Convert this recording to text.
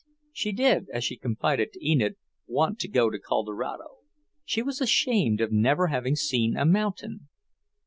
She did, as she confided to Enid, want to go to Colorado; she was ashamed of never having seen a mountain.